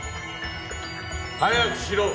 早くしろ。